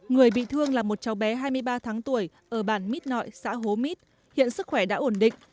người bị thương là một cháu bé hai mươi ba tháng tuổi ở bản mít nội xã hố mít hiện sức khỏe đã ổn định